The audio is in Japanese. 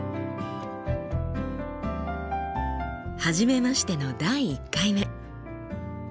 初めましての第１回目。